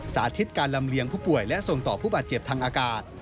สาธิตการลำเลียงผู้ป่วยและส่งต่อผู้บาดเจ็บทางอากาศ